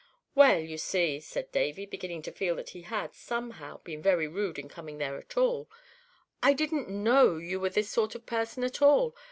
"Well, you see," said Davy, beginning to feel that he had, somehow, been very rude in coming there at all, "I didn't know you were this sort of person at all.